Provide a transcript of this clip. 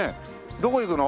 どこ行くの？